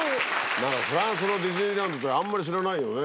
フランスのディズニーランドってあんまり知らないよね。